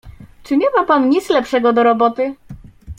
"Czy nie ma pan nic lepszego do roboty?"